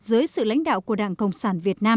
dưới sự lãnh đạo của đảng cộng sản việt nam